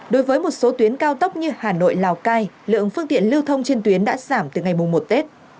đối với một số tuyến cao tốc như hà nội lào cai lượng phương tiện lưu thông trên tuyến đã giảm từ ngày một tết